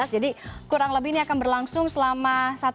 jadi kurang lebih ini akan berlangsung selama